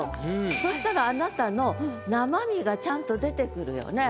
そしたらあなたの生身がちゃんと出てくるよね。